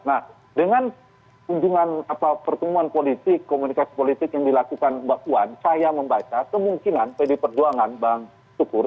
nah dengan kunjungan pertemuan politik komunikasi politik yang dilakukan mbak puan saya membaca kemungkinan pd perjuangan bang syukur